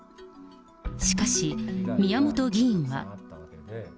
しかし、宮本議員は。